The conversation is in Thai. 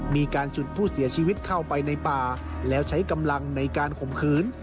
มีการฉุดผู้เสียชีวิตเข้าไปในป่าแล้วใช้กำลังในการข่มขืน